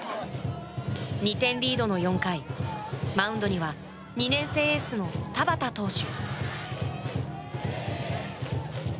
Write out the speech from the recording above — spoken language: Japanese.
２点リードの４回、マウンドには２年生エースの田端投手。